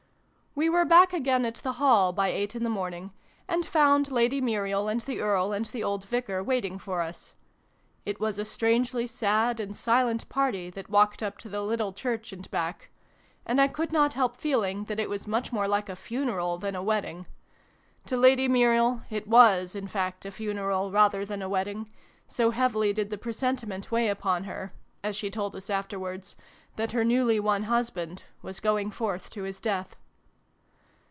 We were back again at the Hall by eight in the morning, and found Lady Muriel and the Earl, and the old Vicar, waiting for us. It was a strangely sad and silent party that walked up to the little church and back ; and I could not help feeling that it was much more like a funeral than a wedding : to Lady Muriel it was in fact, a funeral rather than a wedding, so heavily did the presentiment weigh upon her (as she told us afterwards) that her newly won husband was going forth to his death.